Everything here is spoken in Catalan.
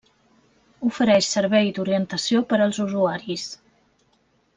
Ofereix servei d'orientació per als usuaris.